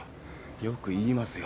よく言いますよ。